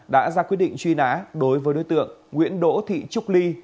đã ra quyết định truy nã đối với đối tượng nguyễn đỗ thị trúc ly